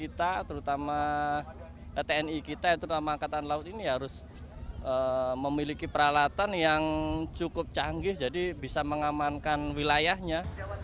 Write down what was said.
kita terutama tni kita yang terutama angkatan laut ini harus memiliki peralatan yang cukup canggih jadi bisa mengamankan wilayahnya